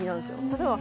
例えば